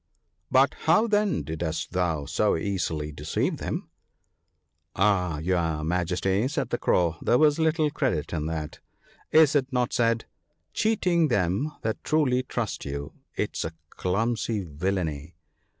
* But how then didst thou so easily deceive them ?'' Ah ! your Majesty/ said the Crow, * there was little credit in that. Is it not said ?—" Cheating them that truly trust you, 'tis a clumsy villainy